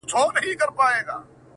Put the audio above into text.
• چي به چا ورکړل لوټونه غیرانونه,